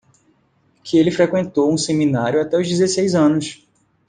Que ele frequentou um seminário até os dezesseis anos.